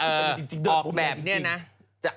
เออออกแบบเนี่ยนะ